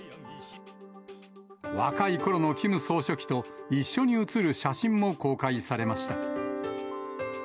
若いころのキム総書記と一緒に写る写真も公開されました。